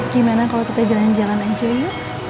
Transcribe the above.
gimana kalau kita jalan jalan aja ya